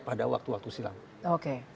pada waktu waktu silam oke